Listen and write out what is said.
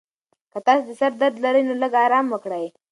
که تاسي د سر درد لرئ، نو لږ ارام وکړئ.